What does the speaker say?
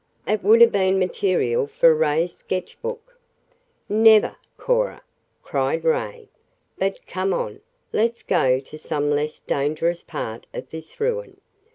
"It would have been material for Ray's sketchbook." "Never, Cora!" cried Ray. "But come on. Let's go to some less dangerous part of this ruin.